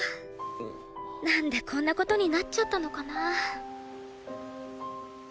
なんでこんな事になっちゃったのかな。